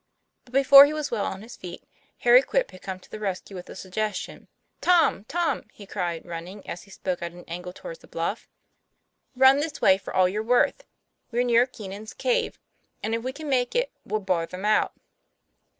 But before he was well on his feet, Harry Quip had come to the rescue with a suggestion. "Tom, Tom!" he cried, running, as he spoke, at an angle toward the bluff, "run this way for all you're 70 TOM PL A YFAIR. worth. We're near Keenan's cave; and if we can make it, we'll bar them out."